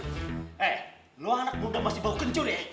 eh luang anak muda masih bau kencur ya